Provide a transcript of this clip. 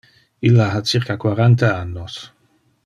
Illa ha circa quaranta annos.